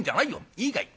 いいかい？